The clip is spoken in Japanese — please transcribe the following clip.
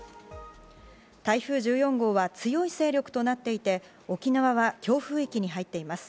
台風１４号は強い勢力となっていて沖縄は強風域に入っています。